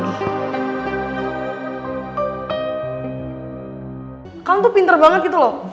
sekarang tuh pinter banget gitu loh